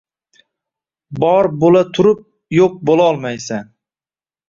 Bor bo’la turib yo’q bo’lolmaysan.